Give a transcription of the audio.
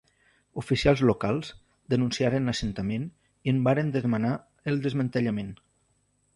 Oficials locals denunciaren l'assentament i en varen demanar el desmantellament.